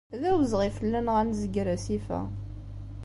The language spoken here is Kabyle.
D awezɣi fell-aneɣ ad nezger asif-a.